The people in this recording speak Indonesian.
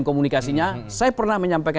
komunikasinya saya pernah menyampaikan